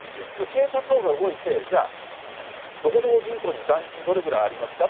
警察のほうが動いて、じゃあ、どこどこ銀行に残金どれぐらいありますか？